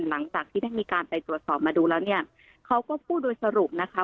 หลังจากที่ได้มีการไปตรวจสอบมาดูแล้วเนี่ยเขาก็พูดโดยสรุปนะคะ